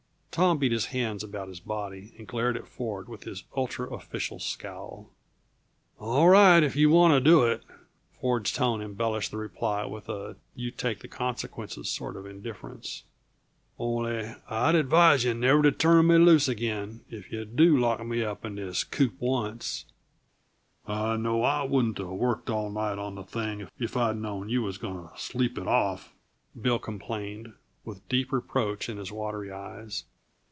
Tom beat his hands about his body and glared at Ford with his ultra official scowl. "All right, if you want to do it." Ford's tone embellished the reply with a you take the consequences sort of indifference. "Only, I'd advise you never to turn me loose again if you do lock me up in this coop once." "I know I wouldn't uh worked all night on the thing if I'd knowed you was goin' to sleep it off," Bill complained, with deep reproach in his watery eyes.